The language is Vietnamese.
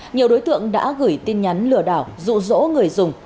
nhiều đối tượng đã gửi tin nhắn lừa đảo dụ dỗ người dùng